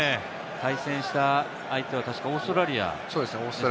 対戦した相手は確かオーストラリアですね。